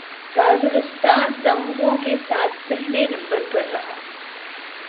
Kazakhstan تمغوں کے ساتھ پہلے نمبر پر رہا